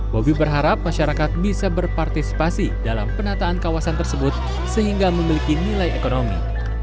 bobi berharap masyarakat bisa berpartisipasi dalam penataan kawasan tersebut sehingga memiliki nilai ekonomi